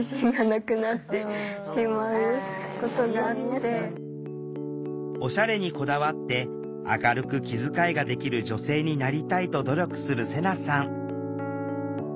私もおしゃれにこだわって明るく気遣いができる女性になりたいと努力するセナさん。